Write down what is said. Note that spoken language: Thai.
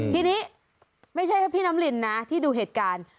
ทีนี้ไม่ใช่แค่พี่น้ำลินนะที่ดูเหตุการณ์